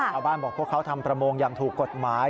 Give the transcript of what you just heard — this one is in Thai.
ชาวบ้านบอกว่าเขาทำประมงอย่างถูกกฎหมาย